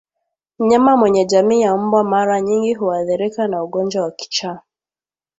Mnyama mwenye jamii ya mbwa mara nyingi huathirika na ugonjwa wa kichaa#